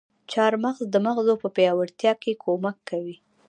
چارمغز د مغزو په پياوړتيا کې کمک کوي.